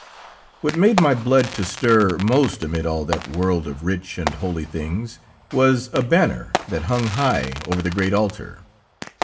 What made my blood to stir most amid all that world of rich and holy things, was a banner that hung high over the great altar.